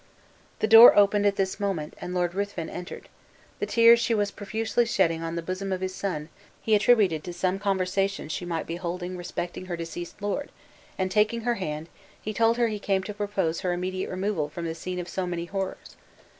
The door opened at this moment, and Lord Ruthven entered. The tears she was profusely shedding on the bosom of his son, he attributed to some conversation she might be holding respecting her deceased lord, and taking her hand, he told her he came to propose her immediate removal from the scene of so many horrors.